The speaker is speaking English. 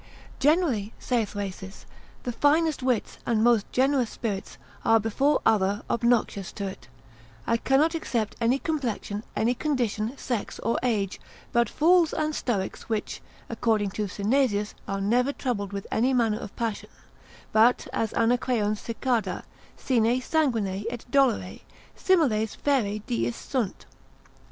Generally, saith Rhasis, the finest wits and most generous spirits, are before other obnoxious to it; I cannot except any complexion, any condition, sex, or age, but fools and stoics, which, according to Synesius, are never troubled with any manner of passion, but as Anacreon's cicada, sine sanguine et dolore; similes fere diis sunt.